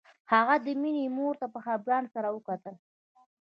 هغه د مينې مور ته په خپګان سره وکتل